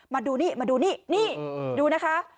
มาดูนี่มาดูนี่นี่ดูนะคะ